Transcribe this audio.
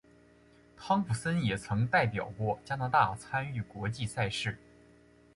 汤普森也曾代表过加拿大参与国际赛事。